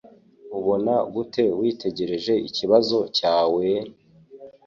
Ubona gute witegereje ikibazo cyawee?